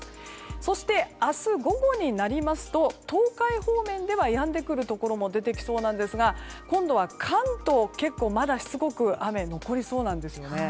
そして、明日午後になりますと東海方面ではやんでくるところも出てきそうなんですが今度は関東、結構まだしつこく雨が残りそうなんですよね。